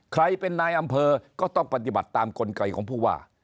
ใครเป็นนายอำเภอก็ต้องปฏิบัติตามกลไกของผู้ว่า